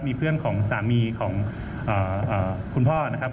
มีเพื่อนของสามีของคุณพ่อนะครับ